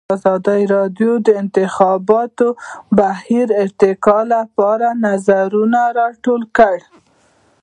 ازادي راډیو د د انتخاباتو بهیر د ارتقا لپاره نظرونه راټول کړي.